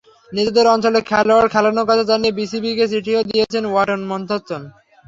নিজেদের অঞ্চলের খেলোয়াড় খেলোনোর কথা জানিয়ে বিসিবিকে চিঠিও দিয়েছে ওয়ালটন মধ্যাঞ্চল।